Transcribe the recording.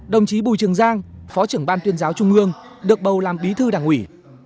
đồng chí bùi trường giang phó trưởng ban tuyên giáo trung ương được bầu làm bí thư đảng ủy